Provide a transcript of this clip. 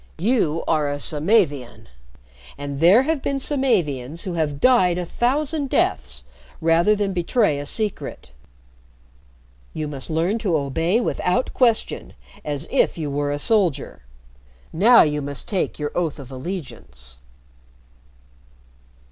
You are a Samavian, and there have been Samavians who have died a thousand deaths rather than betray a secret. You must learn to obey without question, as if you were a soldier. Now you must take your oath of allegiance."